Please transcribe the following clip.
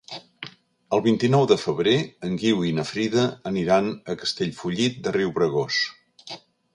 El vint-i-nou de febrer en Guiu i na Frida aniran a Castellfollit de Riubregós.